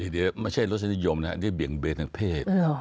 เดี๋ยวไม่ใช่รสนิยมนะอันนี้เปลี่ยงเบนทั้งเพศ